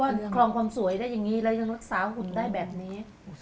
เหนือคลองความสวยได้อย่างนี้แล้วยังรักษาหุ่นได้แบบนี้